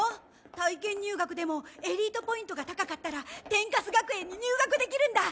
体験入学でもエリートポイントが高かったら天カス学園に入学できるんだ！